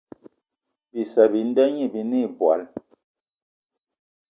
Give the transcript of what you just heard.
Bissa bi nda gnî binê ìbwal